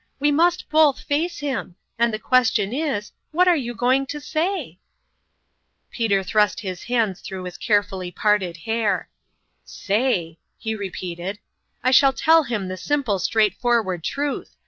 We must both face him ; and the question is, What are you going to say ?" Peter thrust his hands through his carefully parted hair :" Say !" he repeated. " I shall tell him the simple, straightforward truth.